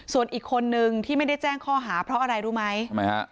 ส่วนอีกคนนึงที่ไม่ได้แจ้งข้อหาเพราะอะไรรู้ไหมทำไมฮะ